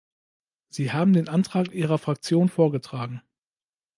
Sie haben den Antrag Ihrer Fraktion vorgetragen.